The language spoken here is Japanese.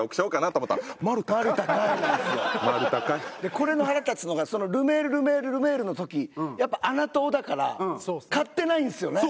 これの腹立つのがルメールルメールルメールの時やっぱ穴党だから買ってないんですよね